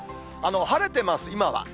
晴れてます、今は。